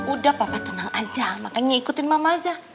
udah papa tenang aja makanya ngikutin mama aja